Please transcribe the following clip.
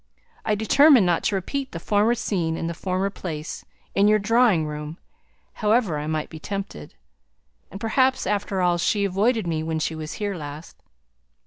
I determined not to repeat the former scene in the former place, in your drawing room, however I might be tempted. And perhaps, after all, she avoided me when she was here last."